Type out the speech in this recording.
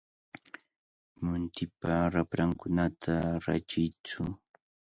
Muntipa raprankunata rachiytsu.